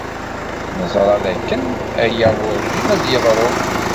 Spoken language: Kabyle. Neẓra dakken aya werǧin ad d-yeḍru.